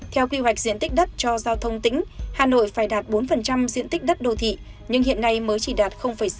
theo quy hoạch diện tích đất cho giao thông tỉnh hà nội phải đạt bốn diện tích đất đô thị nhưng hiện nay mới chỉ đạt sáu mươi